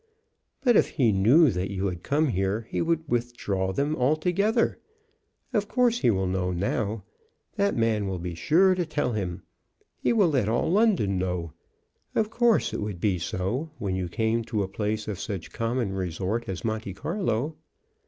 "But if he knew that you had come here he would withdraw them altogether. Of course, he will know now. That man will be sure to tell him. He will let all London know. Of course, it would be so when you came to a place of such common resort as Monte Carlo."